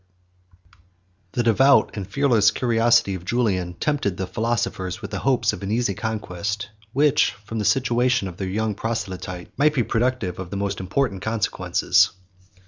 ] The devout and fearless curiosity of Julian tempted the philosophers with the hopes of an easy conquest; which, from the situation of their young proselyte, might be productive of the most important consequences.